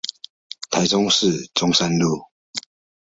台中市中山路